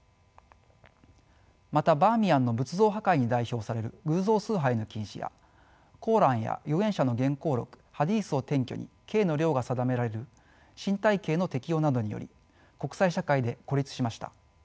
またバーミヤンの仏像破壊に代表される偶像崇拝の禁止や「コーラン」や預言者の言行録「ハディース」を典拠に刑の量が定められる身体刑の適用などにより国際社会で孤立しました。